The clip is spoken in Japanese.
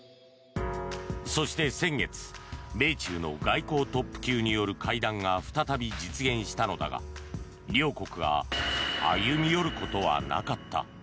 そして、先月米中の外交トップ級による会談が再び実現したのだが両国が歩み寄ることはなかった。